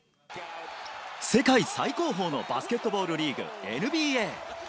世界最高峰のバスケットボールリーグ、ＮＢＡ。